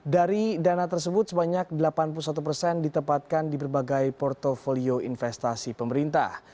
dari dana tersebut sebanyak delapan puluh satu persen ditempatkan di berbagai portfolio investasi pemerintah